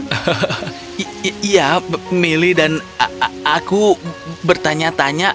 hahaha ya milly dan aku bertanya tanya